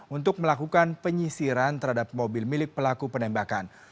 untuk melakukan penyisiran terhadap mobil milik pelaku penembakan